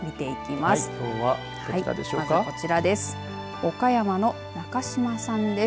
まず、こちらです。